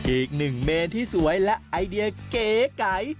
อีกหนึ่งเมนที่สวยและไอเดียเก๋ไก่